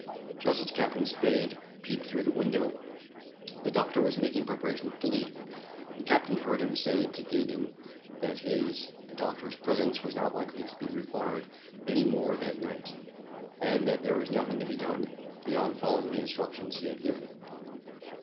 Just as Captain Spade peeped through the window the doctor was making preparations to leave. The Captain heard him say to Gaydon that his (the doctor's) presence was not likely to be required any more that night, and that there was nothing to be done beyond following the instructions he had given.